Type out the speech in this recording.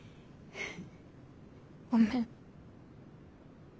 ごめん。